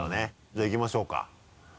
じゃあいきましょうか。